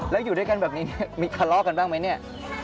แล้วอยู่ด้วยกันแบบนี้มีทะเลาะกันบ้างไหมเนี่ย